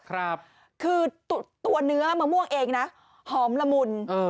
คือตัวเนื้อมะม่วงเองนะหอมละมุนเออ